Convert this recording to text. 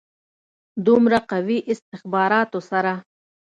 دومره قوي استخباراتو سره.